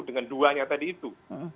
dengan duanya tadi itu